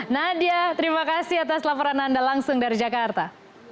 nadia terima kasih atas laporan anda langsung dari jakarta